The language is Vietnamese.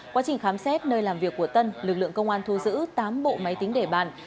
quá trình khám xét nơi làm việc của tân lực lượng công an thu giữ tám bộ máy tính để bàn